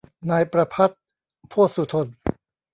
นายประภัตร โพธสุธน